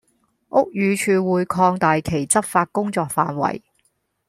屋宇署會擴大其執法工作範圍